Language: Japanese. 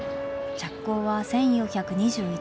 着工は１４２１年。